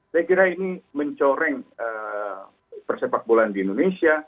saya kira ini mencoreng persepakbolaan di indonesia